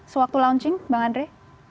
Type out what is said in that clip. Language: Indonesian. sewaktu launching bang andre